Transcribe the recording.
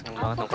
ini taman tempat